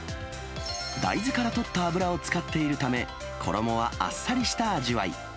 大豆からとった油を使っているため、衣はあっさりした味わい。